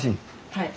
はい。